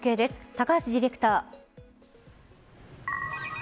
高橋ディレクター。